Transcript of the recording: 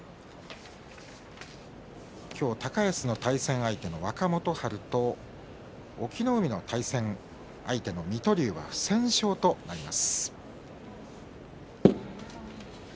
高安の対戦相手、若元春と隠岐の海の対戦相手水戸龍が不戦勝となります。